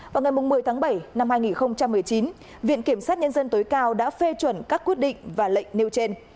vào ngày một mươi tháng bảy năm hai nghìn một mươi chín viện kiểm sát nhân dân tối cao đã phê chuẩn các quyết định và lệnh nêu trên